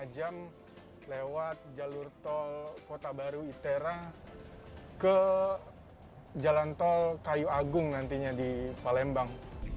dua puluh empat jam lewat jalur tol kota baru itera ke jalan tol kayu agung nantinya di palembang